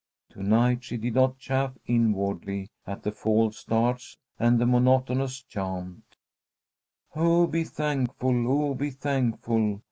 To night she did not chafe inwardly at the false starts and the monotonous chant, "Oh, be thankful! Oh, be thankful!"